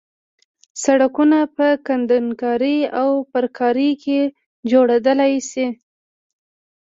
سرکونه په کندنکارۍ او پرکارۍ کې جوړېدای شي